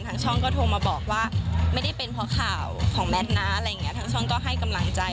ช่องก็โทรมาบอกว่าไม่ได้เป็นเพราะข่าวของแมทนะอะไรอย่างเงี้ทางช่องก็ให้กำลังใจ